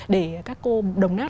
để các cô đồng nát